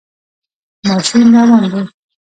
ماشین روان دی